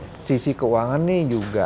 nah sisi keuangannya juga